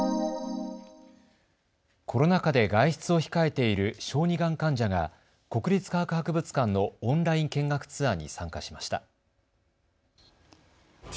コロナ禍で外出を控えている小児がん患者が国立科学博物館のオンライン見学ツアーに参加しました。